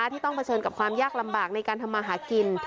ที่ต้องเผชิญกับความยากลำบากในการทำมาหากิน